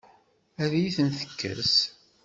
Ad iyi-ten-tekkes?